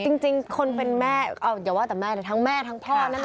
แต่จริงคนเป็นแม่อย่าว่าแม่นะแท้งแม่แท้งพ่อนะคะ